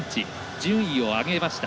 順位を上げました。